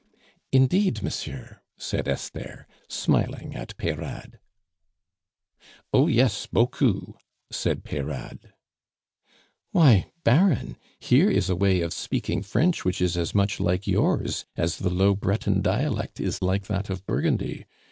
"Indeed, monsieur," said Esther, smiling at Peyrade. "Oh yes, bocou," said Peyrade. "Why, Baron, here is a way of speaking French which is as much like yours as the low Breton dialect is like that of Burgundy.